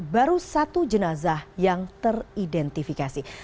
baru satu jenazah yang teridentifikasi